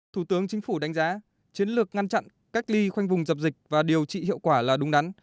thủ tướng chính phủ đánh giá chiến lược ngăn chặn cách ly khoanh vùng dập dịch và điều trị hiệu quả là đúng đắn